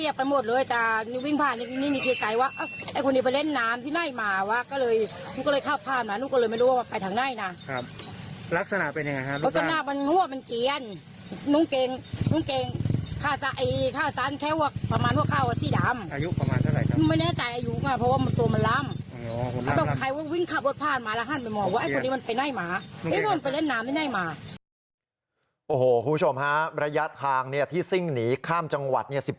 คุณผู้ชมฮะระยะทางที่ซิ่งหนีข้ามจังหวัดเนี่ย